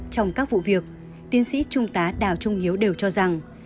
trong các vụ việc tiến sĩ trung tá đào trung hiếu đều cho rằng